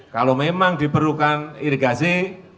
kalau memang diperlukan irigasi